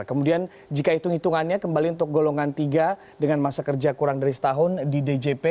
kemudian jika hitung hitungannya kembali untuk golongan tiga dengan masa kerja kurang dari setahun di djp